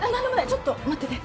ちょっと待ってて